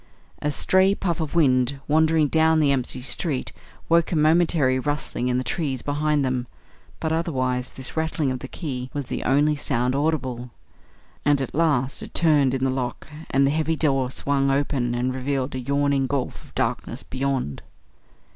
A stray puff of wind wandering down the empty street woke a momentary rustling in the trees behind them, but otherwise this rattling of the key was the only sound audible; and at last it turned in the lock and the heavy door swung open and revealed a yawning gulf of darkness beyond.